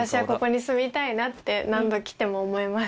なって何度来ても思います。